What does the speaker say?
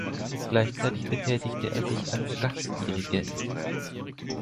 Gleichzeitig betätigte er sich als Gast-Dirigent.